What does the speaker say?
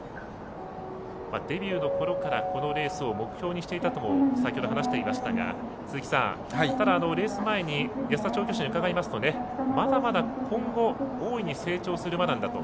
デビューのころからこのレースを目標にしていたと先ほど話もしていましたが鈴木さん、レース前に安田調教師に伺いますとまだまだ今後大いに成長するんだと。